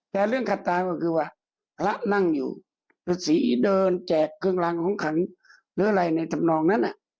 แต่เรื่องขัดตาก็คือว่าพระนั่งอยู่ฤษีเดินและแจกมุมขังหรืออะไรในจำนองนั่น